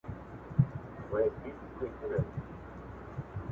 د احمد شاه ابدالي ستره لاسته راوړنه